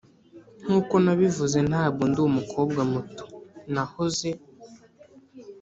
nkuko nabivuze ntabwo ndi umukobwa muto nahoze